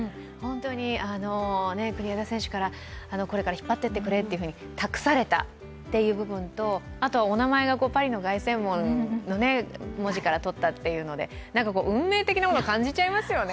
国枝選手から、これから引っ張っていってくれと託されたという部分とお名前がパリの凱旋門の文字からとったというので運命的なものを感じちゃいますよね。